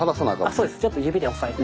そうですちょっと指で押さえて。